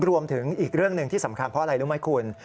รวมถึงอีกเรื่องหนึ่งที่สำคัญเพราะอะไรรู้ไหมคุณ